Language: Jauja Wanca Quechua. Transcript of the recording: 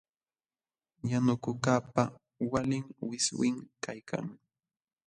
Yanukuqkaqpa walin wiswim kaykan.